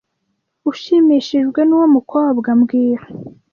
Ushimishijwe nuwo mukobwa mbwira